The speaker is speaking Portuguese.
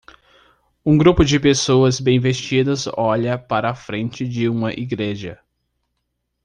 Um grupo de pessoas bem vestidas olha para a frente de uma igreja.